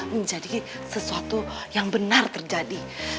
menjadi sesuatu yang benar terjadi